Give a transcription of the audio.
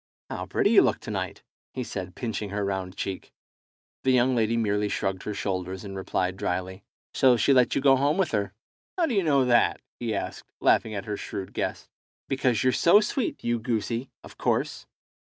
"How pretty you look to night!" he said, pinching her round cheek. The young lady merely shrugged her shoulders, and replied dryly "So she let you go home with her." "How do you know that?" he asked, laughing at her shrewd guess. "Because you're so sweet, you goosey, of course."